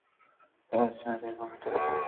তবে স্যার, এই বোমি তাদের কোনো কাজে আসবে না।